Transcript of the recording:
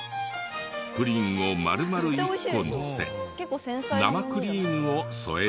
プリンを丸々１個のせ生クリームを添えるだけ。